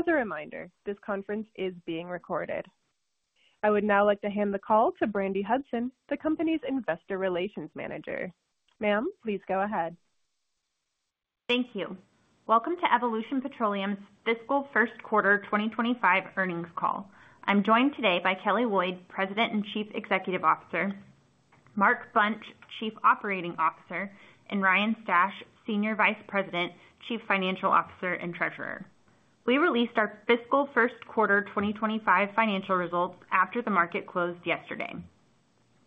As a reminder, this conference is being recorded. I would now like to hand the call to Brandi Hudson, the company's Investor Relations Manager. Ma'am, please go ahead. Thank you. Welcome to Evolution Petroleum's fiscal first quarter 2025 earnings call. I'm joined today by Kelly Loyd, President and Chief Executive Officer, Mark Bunch, Chief Operating Officer, and Ryan Stash, Senior Vice President, Chief Financial Officer and Treasurer. We released our fiscal first quarter 2025 financial results after the market closed yesterday.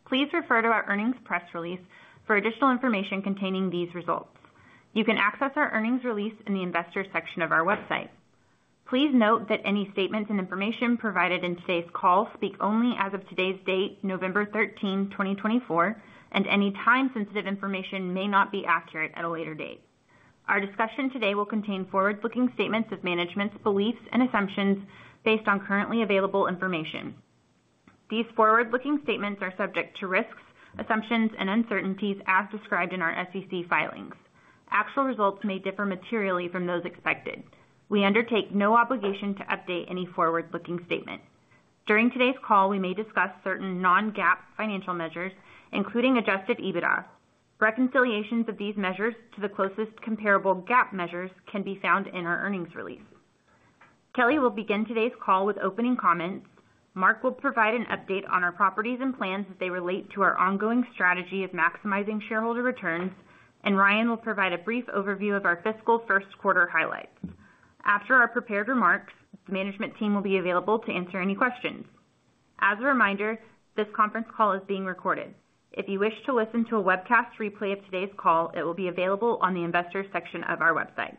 Please refer to our earnings press release for additional information containing these results. You can access our earnings release in the investor section of our website. Please note that any statements and information provided in today's call speak only as of today's date, November 13, 2024, and any time-sensitive information may not be accurate at a later date. Our discussion today will contain forward-looking statements of management's beliefs and assumptions based on currently available information. These forward-looking statements are subject to risks, assumptions, and uncertainties as described in our SEC filings. Actual results may differ materially from those expected. We undertake no obligation to update any forward-looking statement. During today's call, we may discuss certain non-GAAP financial measures, including Adjusted EBITDA. Reconciliations of these measures to the closest comparable GAAP measures can be found in our earnings release. Kelly will begin today's call with opening comments. Mark will provide an update on our properties and plans as they relate to our ongoing strategy of maximizing shareholder returns, and Ryan will provide a brief overview of our fiscal first quarter highlights. After our prepared remarks, the management team will be available to answer any questions. As a reminder, this conference call is being recorded. If you wish to listen to a webcast replay of today's call, it will be available on the investor section of our website.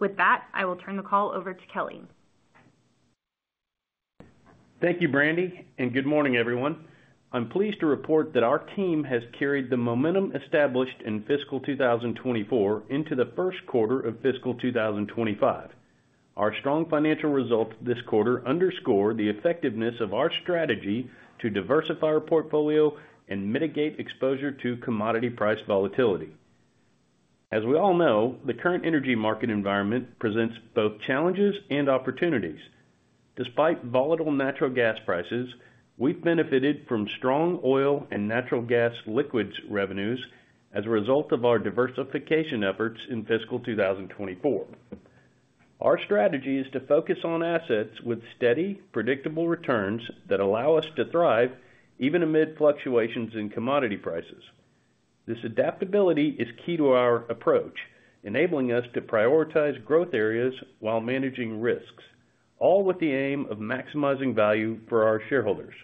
With that, I will turn the call over to Kelly. Thank you, Brandi, and good morning, everyone. I'm pleased to report that our team has carried the momentum established in fiscal 2024 into the first quarter of fiscal 2025. Our strong financial results this quarter underscore the effectiveness of our strategy to diversify our portfolio and mitigate exposure to commodity price volatility. As we all know, the current energy market environment presents both challenges and opportunities. Despite volatile natural gas prices, we've benefited from strong oil and natural gas liquids revenues as a result of our diversification efforts in fiscal 2024. Our strategy is to focus on assets with steady, predictable returns that allow us to thrive even amid fluctuations in commodity prices. This adaptability is key to our approach, enabling us to prioritize growth areas while managing risks, all with the aim of maximizing value for our shareholders.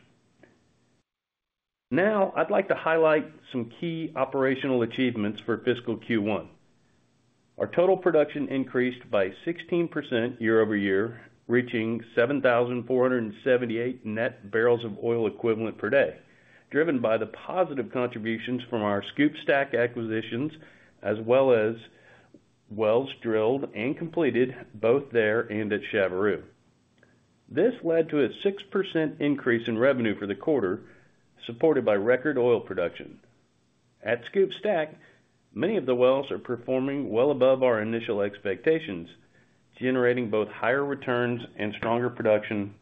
Now, I'd like to highlight some key operational achievements for fiscal Q1. Our total production increased by 16% year-over-year, reaching 7,478 net barrels of oil equivalent per day, driven by the positive contributions from our SCOOP/STACK acquisitions, as well as wells drilled and completed both there and at Chaveroo. This led to a 6% increase in revenue for the quarter, supported by record oil production. At SCOOP/STACK, many of the wells are performing well above our initial expectations, generating both higher returns and stronger production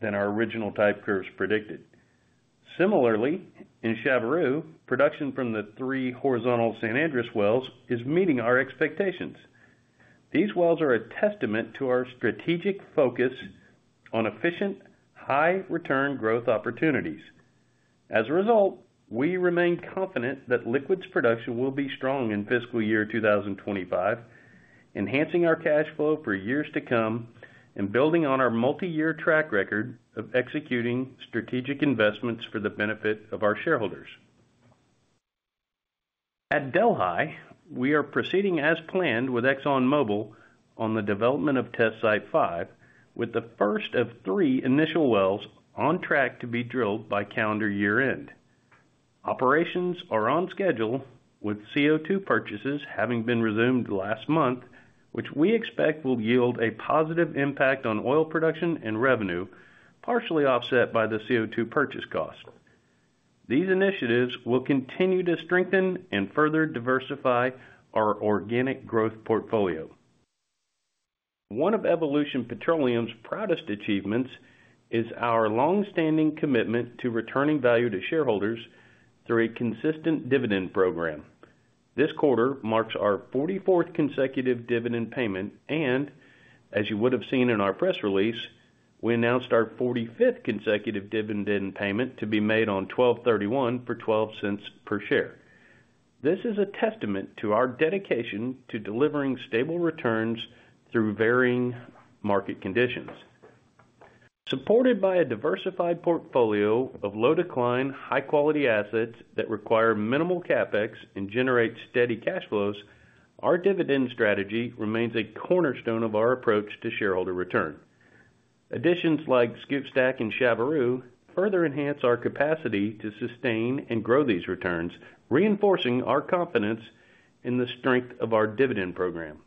than our original type curves predicted. Similarly, in Chaveroo, production from the three horizontal San Andres wells is meeting our expectations. These wells are a testament to our strategic focus on efficient, high-return growth opportunities. As a result, we remain confident that liquids production will be strong in fiscal year 2025, enhancing our cash flow for years to come and building on our multi-year track record of executing strategic investments for the benefit of our shareholders. At Delhi, we are proceeding as planned with ExxonMobil on the development of Test Site 5, with the first of three initial wells on track to be drilled by calendar year-end. Operations are on schedule, with CO2 purchases having been resumed last month, which we expect will yield a positive impact on oil production and revenue, partially offset by the CO2 purchase cost. These initiatives will continue to strengthen and further diversify our organic growth portfolio. One of Evolution Petroleum's proudest achievements is our long-standing commitment to returning value to shareholders through a consistent dividend program. This quarter marks our 44th consecutive dividend payment, and, as you would have seen in our press release, we announced our 45th consecutive dividend payment to be made on 12/31 for $0.12 per share. This is a testament to our dedication to delivering stable returns through varying market conditions. Supported by a diversified portfolio of low-decline, high-quality assets that require minimal CapEx and generate steady cash flows, our dividend strategy remains a cornerstone of our approach to shareholder return. Additions like SCOOP/STACK and Chaveroo further enhance our capacity to sustain and grow these returns, reinforcing our confidence in the strength of our dividend program.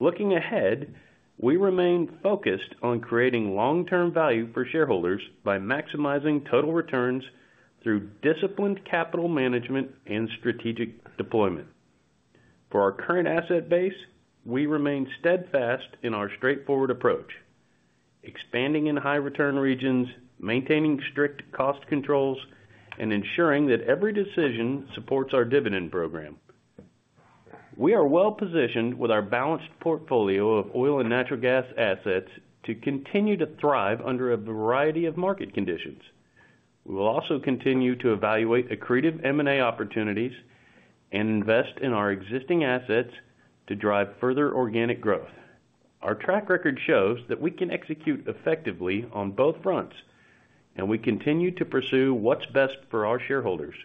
Looking ahead, we remain focused on creating long-term value for shareholders by maximizing total returns through disciplined capital management and strategic deployment. For our current asset base, we remain steadfast in our straightforward approach, expanding in high-return regions, maintaining strict cost controls, and ensuring that every decision supports our dividend program. We are well-positioned with our balanced portfolio of oil and natural gas assets to continue to thrive under a variety of market conditions. We will also continue to evaluate accretive M&A opportunities and invest in our existing assets to drive further organic growth. Our track record shows that we can execute effectively on both fronts, and we continue to pursue what's best for our shareholders.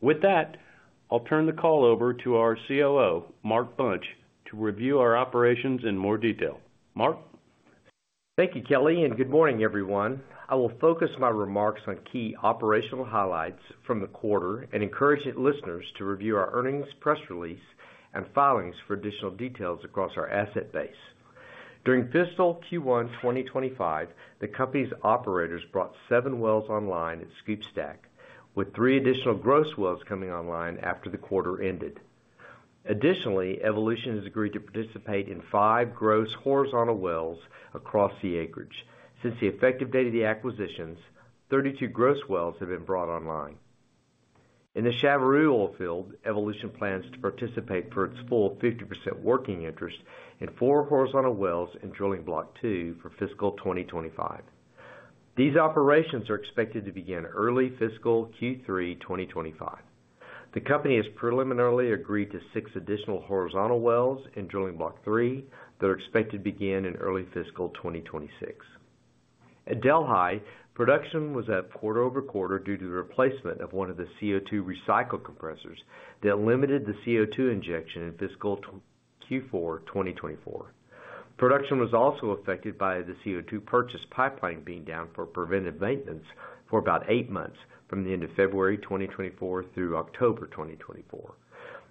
With that, I'll turn the call over to our COO, Mark Bunch, to review our operations in more detail. Mark. Thank you, Kelly, and good morning, everyone. I will focus my remarks on key operational highlights from the quarter and encourage listeners to review our earnings press release and filings for additional details across our asset base. During fiscal Q1 2025, the company's operators brought seven wells online at SCOOP/STACK, with three additional gross wells coming online after the quarter ended. Additionally, Evolution has agreed to participate in five gross horizontal wells across the acreage. Since the effective date of the acquisitions, 32 gross wells have been brought online. In the Chaveroo oil field, Evolution plans to participate for its full 50% working interest in four horizontal wells and Drilling Block 2 for fiscal 2025. These operations are expected to begin early fiscal Q3 2025. The company has preliminarily agreed to six additional horizontal wells and Drilling Block 3 that are expected to begin in early fiscal 2026. At Delhi, production was flat quarter-over-quarter due to the replacement of one of the CO2 recycle compressors that limited the CO2 injection in fiscal Q4 2024. Production was also affected by the CO2 purchase pipeline being down for preventive maintenance for about eight months from the end of February 2024 through October 2024.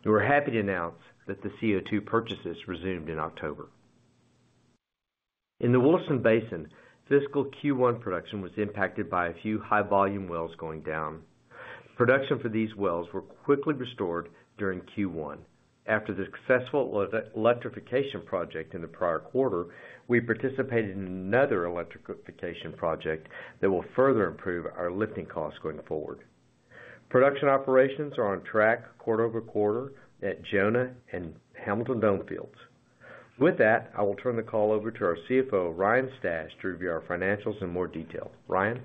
We're happy to announce that the CO2 purchases resumed in October. In the Williston Basin, fiscal Q1 production was impacted by a few high-volume wells going down. Production for these wells was quickly restored during Q1. After the successful electrification project in the prior quarter, we participated in another electrification project that will further improve our lifting costs going forward. Production operations are on track quarter-over-quarter at Jonah and Hamilton Dome fields. With that, I will turn the call over to our CFO, Ryan Stash, to review our financials in more detail. Ryan.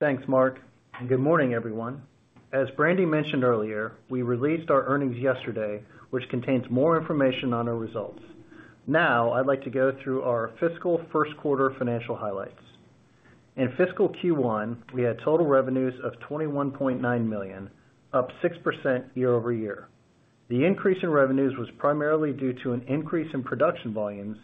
Thanks, Mark. Good morning, everyone. As Brandi mentioned earlier, we released our earnings yesterday, which contains more information on our results. Now, I'd like to go through our fiscal first quarter financial highlights. In fiscal Q1, we had total revenues of $21.9 million, up 6% year-over-year. The increase in revenues was primarily due to an increase in production volumes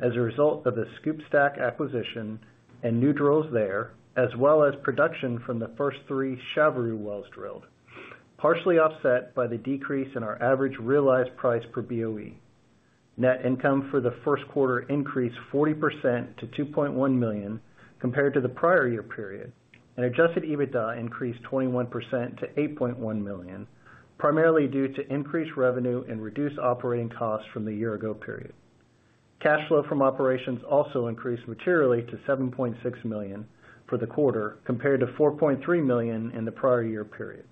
as a result of the SCOOP/STACK acquisition and new drills there, as well as production from the first three Chaveroo wells drilled, partially offset by the decrease in our average realized price per BOE. Net income for the first quarter increased 40% to $2.1 million compared to the prior year period, and Adjusted EBITDA increased 21% to $8.1 million, primarily due to increased revenue and reduced operating costs from the year-ago period. Cash flow from operations also increased materially to $7.6 million for the quarter, compared to $4.3 million in the prior year period.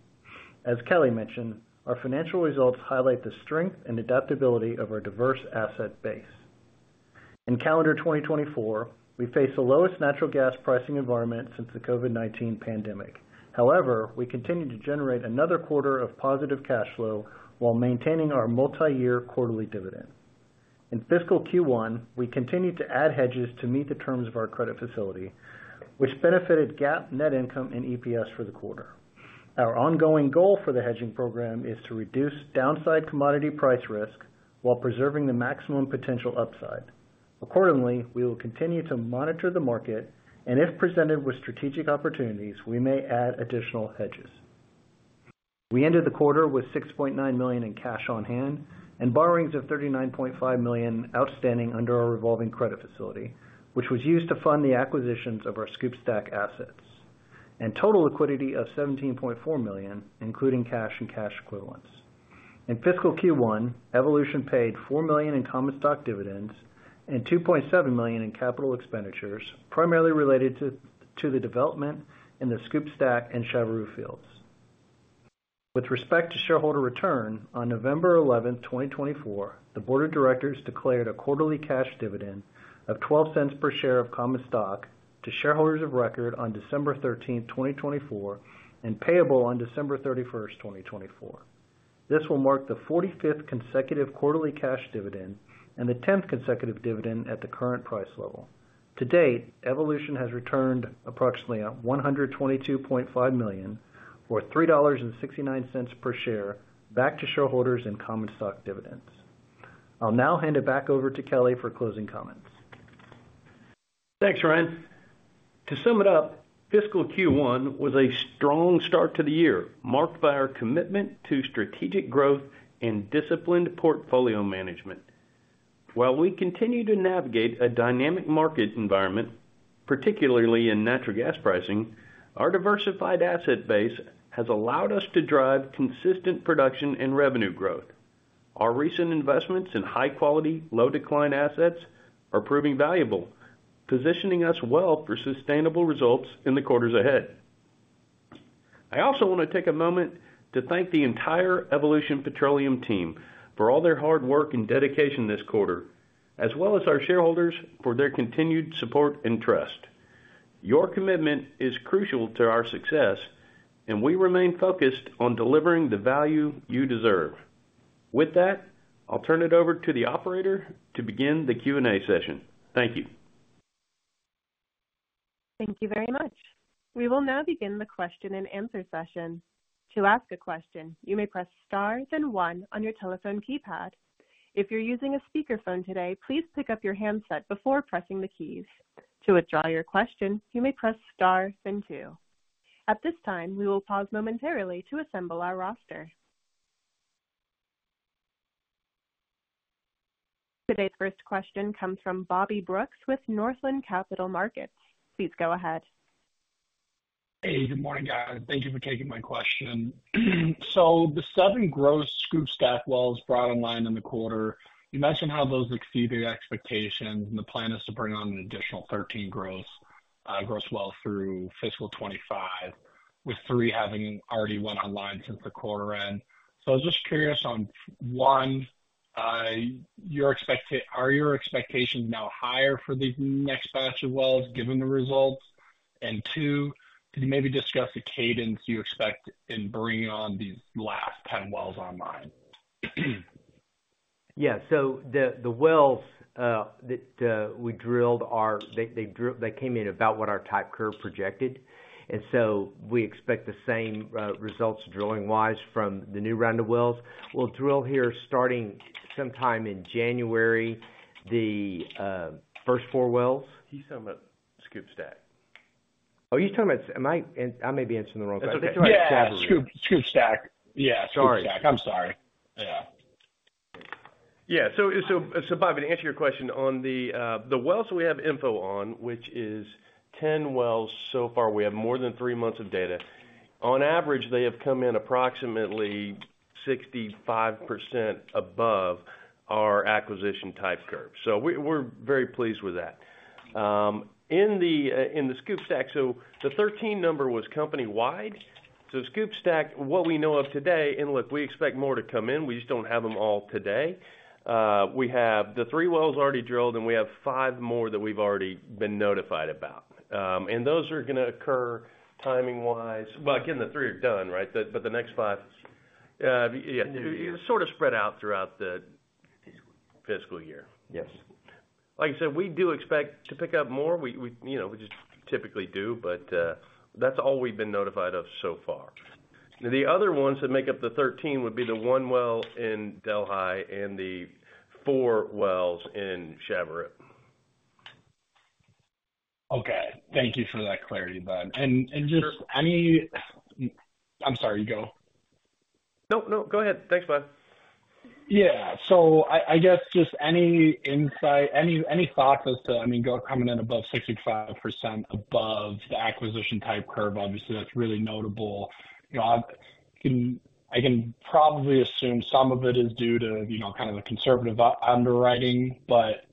As Kelly mentioned, our financial results highlight the strength and adaptability of our diverse asset base. In calendar 2024, we faced the lowest natural gas pricing environment since the COVID-19 pandemic. However, we continue to generate another quarter of positive cash flow while maintaining our multi-year quarterly dividend. In fiscal Q1, we continued to add hedges to meet the terms of our credit facility, which benefited GAAP net income and EPS for the quarter. Our ongoing goal for the hedging program is to reduce downside commodity price risk while preserving the maximum potential upside. Accordingly, we will continue to monitor the market, and if presented with strategic opportunities, we may add additional hedges. We ended the quarter with $6.9 million in cash on hand and borrowings of $39.5 million outstanding under our revolving credit facility, which was used to fund the acquisitions of our SCOOP/STACK assets, and total liquidity of $17.4 million, including cash and cash equivalents. In fiscal Q1, Evolution paid $4 million in common stock dividends and $2.7 million in capital expenditures, primarily related to the development in the SCOOP/STACK and Chaveroo fields. With respect to shareholder return, on November 11, 2024, the Board of Directors declared a quarterly cash dividend of $0.12 per share of common stock to shareholders of record on December 13, 2024, and payable on December 31, 2024. This will mark the 45th consecutive quarterly cash dividend and the 10th consecutive dividend at the current price level. To date, Evolution has returned approximately $122.5 million, or $3.69 per share, back to shareholders in common stock dividends. I'll now hand it back over to Kelly for closing comments. Thanks, Ryan. To sum it up, fiscal Q1 was a strong start to the year, marked by our commitment to strategic growth and disciplined portfolio management. While we continue to navigate a dynamic market environment, particularly in natural gas pricing, our diversified asset base has allowed us to drive consistent production and revenue growth. Our recent investments in high-quality, low-decline assets are proving valuable, positioning us well for sustainable results in the quarters ahead. I also want to take a moment to thank the entire Evolution Petroleum team for all their hard work and dedication this quarter, as well as our shareholders for their continued support and trust. Your commitment is crucial to our success, and we remain focused on delivering the value you deserve. With that, I'll turn it over to the operator to begin the Q&A session. Thank you. Thank you very much. We will now begin the question and answer session. To ask a question, you may press stars and one on your telephone keypad. If you're using a speakerphone today, please pick up your handset before pressing the keys. To withdraw your question, you may press stars and two. At this time, we will pause momentarily to assemble our roster. Today's first question comes from Bobby Brooks with Northland Capital Markets. Please go ahead. Hey, good morning, guys. Thank you for taking my question. So the seven gross SCOOP/STACK wells brought online in the quarter, you mentioned how those exceeded expectations, and the plan is to bring on an additional 13 gross wells through fiscal 2025, with three having already went online since the quarter end. So I was just curious on one, are your expectations now higher for the next batch of wells given the results? And two, could you maybe discuss the cadence you expect in bringing on these last 10 wells online? Yeah. So the wells that we drilled are. They came in about what our type curve projected. And so we expect the same results drilling-wise from the new round of wells. We'll drill here starting sometime in January, the first four wells. He's talking about SCOOP/STACK. Oh, he's talking about I may be answering the wrong question. That's okay. Sorry. Yeah. SCOOP/STACK. I'm sorry. Yeah. Yeah. So Bobby, to answer your question on the wells that we have info on, which is 10 wells so far, we have more than three months of data. On average, they have come in approximately 65% above our acquisition type curve. So we're very pleased with that. In the SCOOP/STACK, so the 13 number was company-wide. So SCOOP/STACK, what we know of today, and look, we expect more to come in. We just don't have them all today. We have the three wells already drilled, and we have five more that we've already been notified about. And those are going to occur timing-wise. Well, again, the three are done, right? But the next five, yeah, sort of spread out throughout the fiscal year. Yes. Like I said, we do expect to pick up more. We just typically do, but that's all we've been notified of so far. Now, the other ones that make up the 13 would be the one well in Delhi and the four wells in Chaveroo. Okay. Thank you for that clarity, Bud. And just any. I'm sorry. You go. No, no. Go ahead. Thanks, Bud. Yeah. So I guess just any insight, any thoughts as to, I mean, coming in above 65% above the acquisition type curve, obviously, that's really notable. I can probably assume some of it is due to kind of a conservative underwriting, but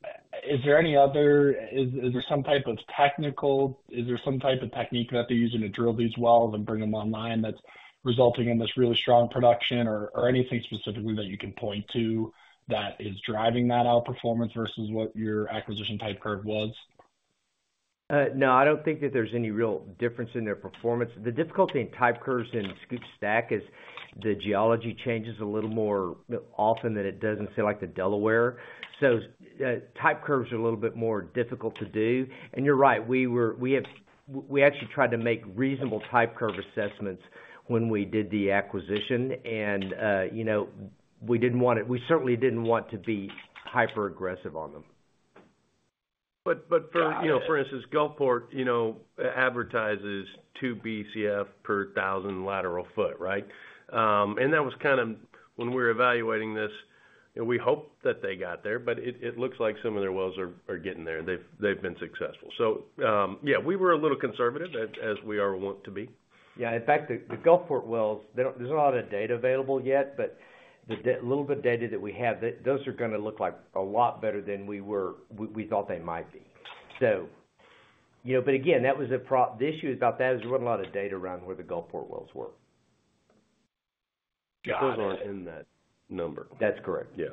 is there any other? Is there some type of technical? Is there some type of technique that they're using to drill these wells and bring them online that's resulting in this really strong production? Or anything specifically that you can point to that is driving that outperformance versus what your acquisition type curve was? No, I don't think that there's any real difference in their performance. The difficulty in type curves in SCOOP/STACK is the geology changes a little more often than it does in, say, like the Delaware. So type curves are a little bit more difficult to do. And you're right. We actually tried to make reasonable type curve assessments when we did the acquisition, and we certainly didn't want to be hyper-aggressive on them. But for instance, Gulfport advertises two BCF per 1,000 lateral foot, right? And that was kind of when we were evaluating this, we hoped that they got there, but it looks like some of their wells are getting there. They've been successful. So yeah, we were a little conservative as we are wont to be. Yeah. In fact, the Gulfport wells, there's not a lot of data available yet, but the little bit of data that we have, those are going to look like a lot better than we thought they might be. But again, that was the issue about that is we weren't a lot of data around where the Gulfport wells were. Got it. Those aren't in that number. That's correct. Yeah.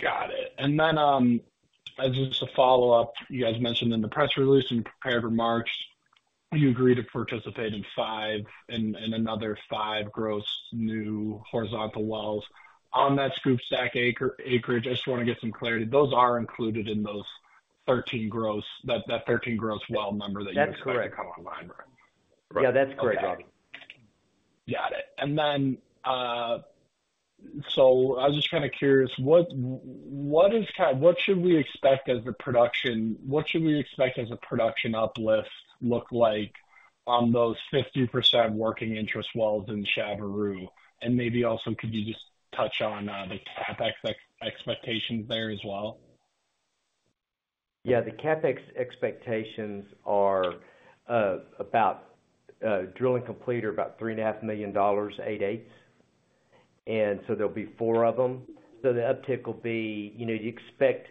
Got it. And then, as just a follow-up, you guys mentioned in the press release and prepared for March, you agreed to participate in five and another five gross new horizontal wells on that SCOOP/STACK acreage. I just want to get some clarity. Those are included in those 13 gross that 13 gross well number that you said. That's correct. Come online. Yeah. That's correct, Bobby. Got it. And then so I was just kind of curious, what should we expect as a production uplift look like on those 50% working interest wells in Chaveroo? And maybe also, could you just touch on the CapEx expectations there as well? Yeah. The CapEx expectations are about drill and complete $3.5 million, eight-eighths, and so there'll be four of them, so the uptick will be you expect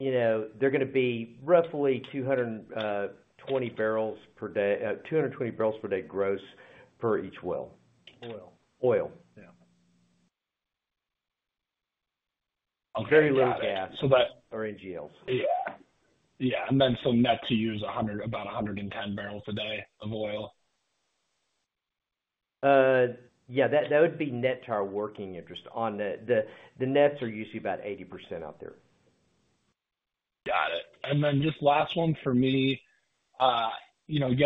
they're going to be roughly 220 barrels per day gross for each well. Oil. Oil. Yeah. Very little gas or NGLs. Yeah. Yeah. And then so net to us about 110 barrels a day of oil. Yeah. That would be net to our working interest on that. The nets are usually about 80% out there. Got it. And then just last one for me. You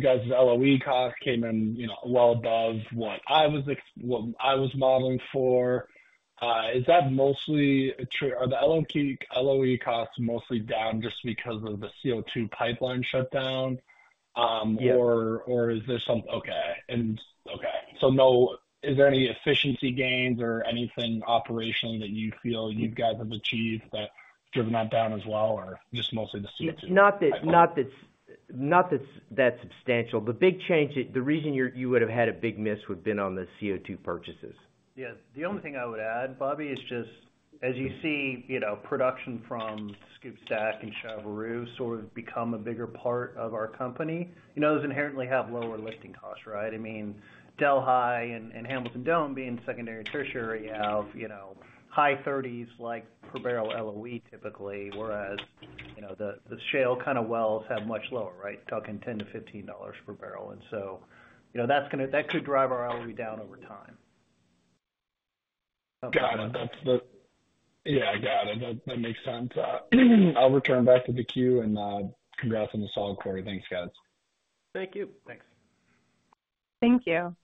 guys' LOE cost came in well above what I was modeling for. Is that mostly the LOE costs down just because of the CO2 pipeline shutdown? Yeah. So, is there any efficiency gains or anything operationally that you feel you guys have achieved that's driven that down as well, or just mostly the CO2? No, that's substantial. The big change, the reason you would have had a big miss would have been on the CO2 purchases. Yeah. The only thing I would add, Bobby, is just as you see production from SCOOP/STACK and Chaveroo sort of become a bigger part of our company, those inherently have lower lifting costs, right? I mean, Delhi and Hamilton Dome being secondary tertiary have high 30s per barrel LOE typically, whereas the shale kind of wells have much lower, right? Talking $10-$15 per barrel, and so that could drive our LOE down over time. Got it. Yeah. Got it. That makes sense. I'll return back to the queue and congrats on the solid quarter. Thanks, guys. Thank you. Thanks. Thank you.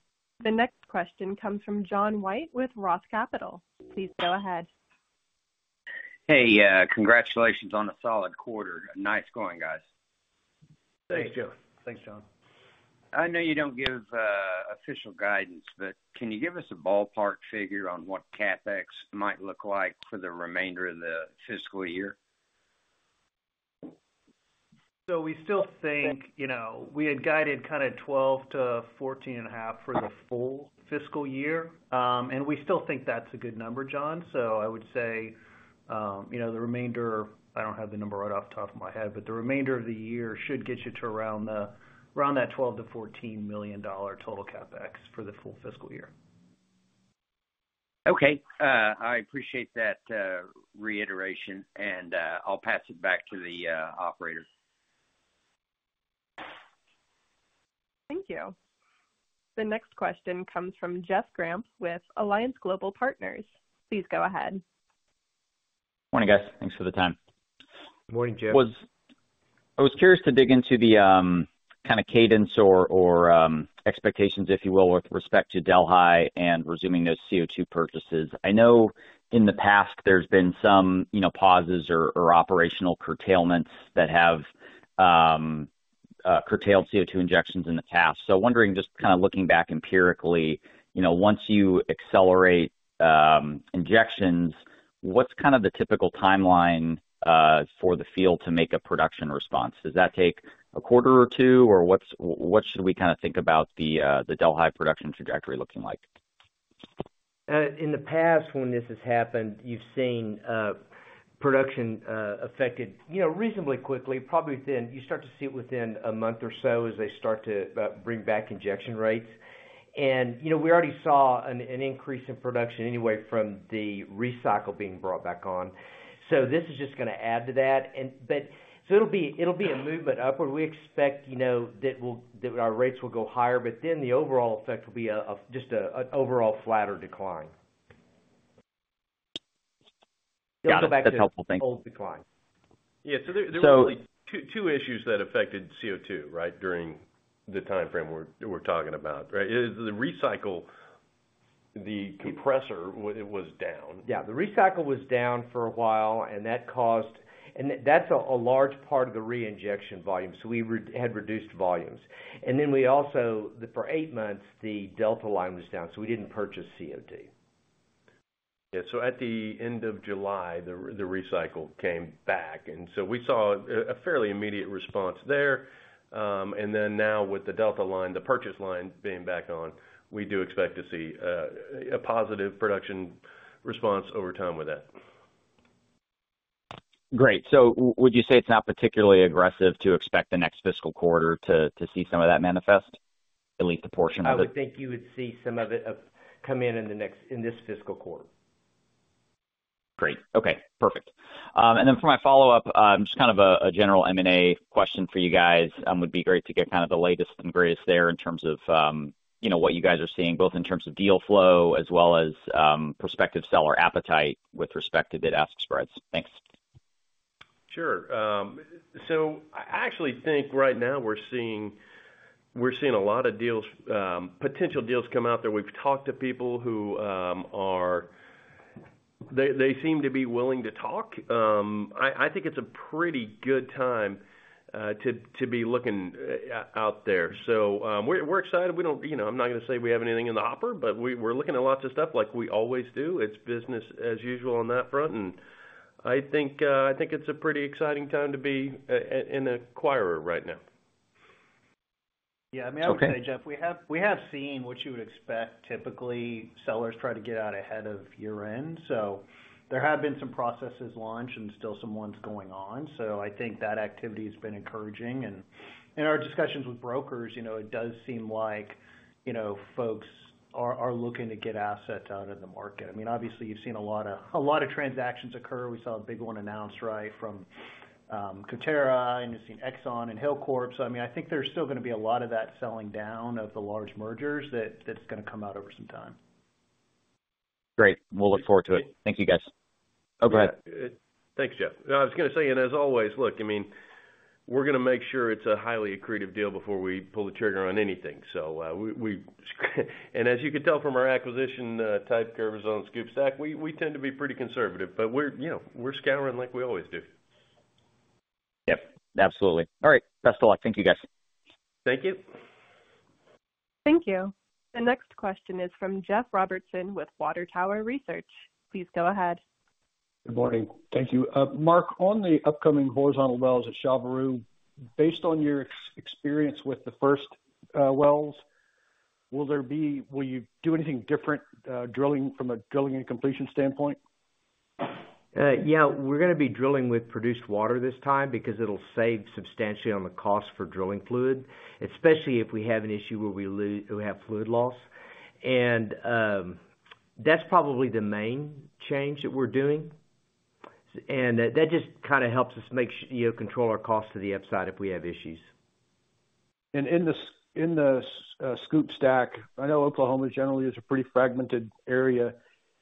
The next question comes from John White with Roth Capital. Please go ahead. Hey. Congratulations on a solid quarter. Nice going, guys. Thanks, Joe. Thanks, John. I know you don't give official guidance, but can you give us a ballpark figure on what CapEx might look like for the remainder of the fiscal year? We still think we had guided kind of 12-14.5 for the full fiscal year. We still think that's a good number, John. I would say the remainder, I don't have the number right off the top of my head, but the remainder of the year should get you to around that $12 million-$14 million total CapEx for the full fiscal year. Okay. I appreciate that reiteration, and I'll pass it back to the operator. Thank you. The next question comes from Jeff Grampp with Alliance Global Partners. Please go ahead. Morning, guys. Thanks for the time. Morning, Jeff. I was curious to dig into the kind of cadence or expectations, if you will, with respect to Delhi and resuming those CO2 purchases. I know in the past there's been some pauses or operational curtailments that have curtailed CO2 injections in the past. So wondering, just kind of looking back empirically, once you accelerate injections, what's kind of the typical timeline for the field to make a production response? Does that take a quarter or two, or what should we kind of think about the Delhi production trajectory looking like? In the past, when this has happened, you've seen production affected reasonably quickly, probably within, you start to see it within a month or so as they start to bring back injection rates, and we already saw an increase in production anyway from the recycle being brought back on, so this is just going to add to that, but so it'll be a movement upward. We expect that our rates will go higher, but then the overall effect will be just an overall flatter decline. Got it. That's helpful. That's a whole thing. Old decline. Yeah, so there were really two issues that affected CO2, right, during the timeframe we're talking about, right? The recycle, the compressor, it was down. Yeah. The recycle was down for a while, and that caused, and that's a large part of the reinjection volume. So we had reduced volumes. And then we also, for eight months, the Delhi line was down, so we didn't purchase CO2. Yeah. So at the end of July, the recycle came back. And so we saw a fairly immediate response there. And then now with the Delta Line, the purchase line being back on, we do expect to see a positive production response over time with that. Great. So would you say it's not particularly aggressive to expect the next fiscal quarter to see some of that manifest, at least a portion of it? I would think you would see some of it come in in this fiscal quarter. Great. Okay. Perfect. And then for my follow-up, just kind of a general M&A question for you guys. It would be great to get kind of the latest and greatest there in terms of what you guys are seeing, both in terms of deal flow as well as prospective seller appetite with respect to bid-ask spreads. Thanks. Sure. So I actually think right now we're seeing a lot of potential deals come out there. We've talked to people who are. They seem to be willing to talk. I think it's a pretty good time to be looking out there. So we're excited. I'm not going to say we have anything in the hopper, but we're looking at lots of stuff like we always do. It's business as usual on that front. And I think it's a pretty exciting time to be an acquirer right now. Yeah. I mean, I would say, Jeff, we have seen what you would expect. Typically, sellers try to get out ahead of year-end. So there have been some processes launched and still some ones going on. So I think that activity has been encouraging. In our discussions with brokers, it does seem like folks are looking to get assets out of the market. I mean, obviously, you've seen a lot of transactions occur. We saw a big one announced, right, from Coterra, and you've seen Exxon and Hilcorp. So I mean, I think there's still going to be a lot of that selling down of the large mergers that's going to come out over some time. Great. We'll look forward to it. Thank you, guys. Oh, go ahead. Thanks, Jeff. I was going to say, and as always, look, I mean, we're going to make sure it's a highly accretive deal before we pull the trigger on anything. And as you can tell from our acquisition type curves on SCOOP/STACK, we tend to be pretty conservative, but we're scouring like we always do. Yep. Absolutely. All right. Best of luck. Thank you, guys. Thank you. Thank you. The next question is from Jeff Robertson with Water Tower Research. Please go ahead. Good morning. Thank you. Mark, on the upcoming horizontal wells at Chaveroo, based on your experience with the first wells, will you do anything different from a drilling and completion standpoint? Yeah. We're going to be drilling with produced water this time because it'll save substantially on the cost for drilling fluid, especially if we have an issue where we have fluid loss. And that's probably the main change that we're doing. And that just kind of helps us control our cost to the upside if we have issues. In the SCOOP/STACK, I know Oklahoma generally is a pretty fragmented area.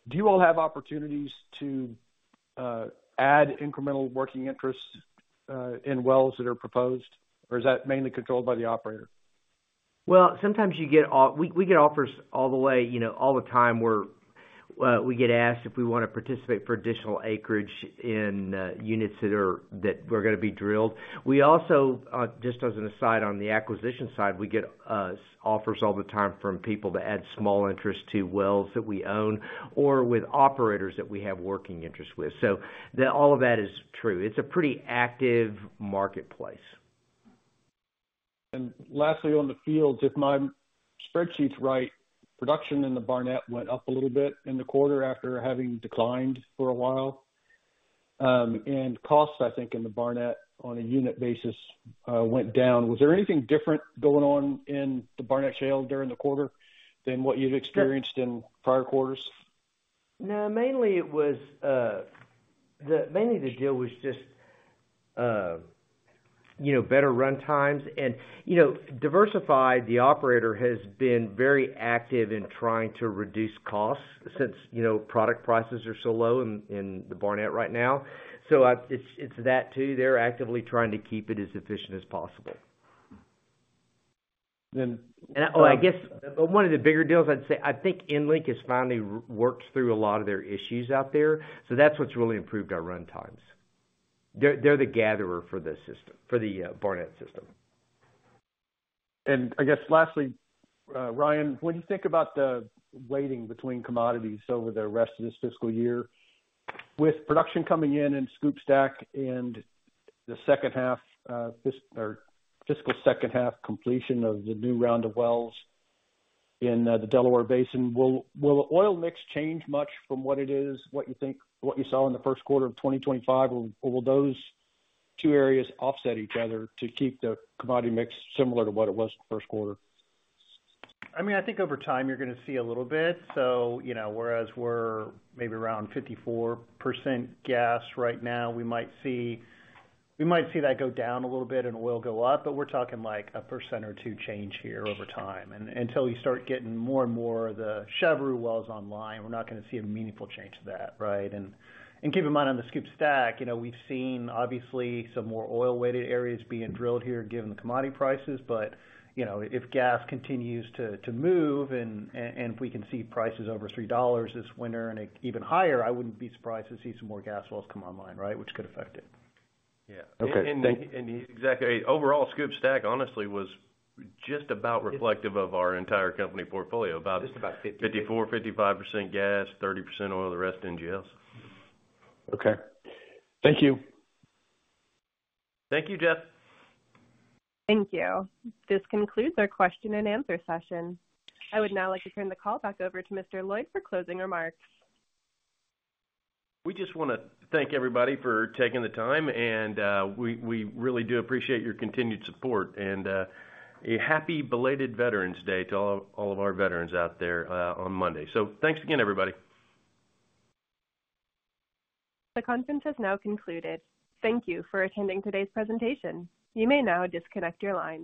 Do you all have opportunities to add incremental working interests in wells that are proposed, or is that mainly controlled by the operator? Sometimes we get offers all the time where we get asked if we want to participate for additional acreage in units that were going to be drilled. We also, just as an aside on the acquisition side, we get offers all the time from people to add small interest to wells that we own or with operators that we have working interest with. All of that is true. It's a pretty active marketplace. And lastly, on the field, if my spreadsheet's right, production in the Barnett went up a little bit in the quarter after having declined for a while. And costs, I think, in the Barnett on a unit basis went down. Was there anything different going on in the Barnett Shale during the quarter than what you've experienced in prior quarters? No. Mainly, the deal was just better runtimes and diversified. The operator has been very active in trying to reduce costs since product prices are so low in the Barnett right now. So it's that too. They're actively trying to keep it as efficient as possible. Then. Oh, I guess one of the bigger deals, I'd say. I think EnLink has finally worked through a lot of their issues out there. So that's what's really improved our runtimes. They're the gatherer for the system, for the Barnett system. I guess lastly, Ryan, when you think about the weighting between commodities over the rest of this fiscal year, with production coming in in SCOOP/STACK and the second half or fiscal second half completion of the new round of wells in the Delaware Basin, will the oil mix change much from what it is, what you think, what you saw in the first quarter of 2025? Will those two areas offset each other to keep the commodity mix similar to what it was the first quarter? I mean, I think over time you're going to see a little bit. Whereas we're maybe around 54% gas right now, we might see that go down a little bit and oil go up. But we're talking like 1% or 2% change here over time. And until you start getting more and more of the Chaveroo wells online, we're not going to see a meaningful change to that, right? And keep in mind on the SCOOP/STACK, we've seen obviously some more oil-weighted areas being drilled here given the commodity prices. But if gas continues to move and if we can see prices over $3 this winter and even higher, I wouldn't be surprised to see some more gas wells come online, right, which could affect it. Yeah. Okay. Exactly. Overall, SCOOP/STACK, honestly, was just about reflective of our entire company portfolio, about. Just about 50. 54, 55% gas, 30% oil, the rest NGLs. Okay. Thank you. Thank you, Jeff. Thank you. This concludes our question and answer session. I would now like to turn the call back over to Mr. Loyd for closing remarks. We just want to thank everybody for taking the time. And we really do appreciate your continued support. And a happy belated Veterans Day to all of our veterans out there on Monday. So thanks again, everybody. The conference has now concluded. Thank you for attending today's presentation. You may now disconnect your line.